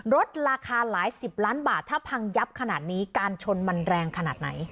ราคาหลายสิบล้านบาทถ้าพังยับขนาดนี้การชนมันแรงขนาดไหน